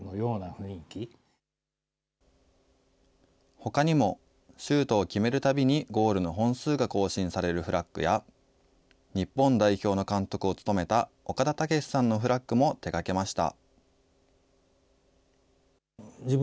ほかにもシュートを決めるたびにゴールの本数が更新されるフラッグや、日本代表の監督を務めた岡田武史さんのフラッグも手がけました。